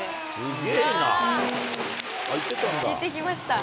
行ってきました。